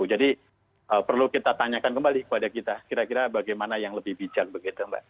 jadi perlu kita tanyakan kembali kepada kita kira kira bagaimana yang lebih bijak begitu mbak